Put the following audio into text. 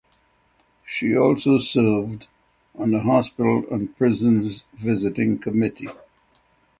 She also served on the Hospital and Prisons Visiting Committee.